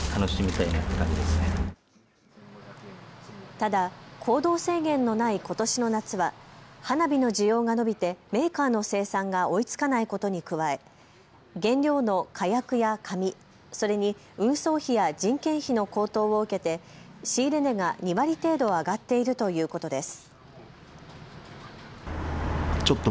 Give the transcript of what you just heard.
ただ行動制限のないことしの夏は花火の需要が伸びてメーカーの生産が追いつかないことに加え原料の火薬や紙、それに運送費や人件費の高騰を受けて仕入れ値が２割程度上がっているということです。